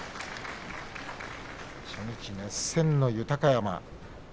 初日、熱戦の豊山です。